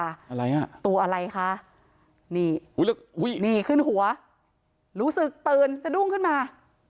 อะไรอ่ะตัวอะไรคะนี่ขึ้นหัวรู้สึกตื่นจะดุ้งขึ้นมา